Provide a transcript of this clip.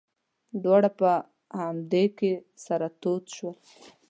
دواړه په همدې کې سره تود شول.